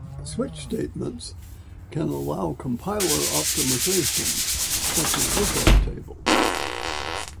Switch statements can allow compiler optimizations, such as lookup tables.